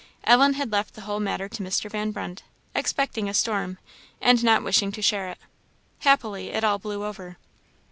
Ellen had left the whole matter to Mr. Van Brunt, expecting a storm, and not wishing to share it. Happily it all blew over.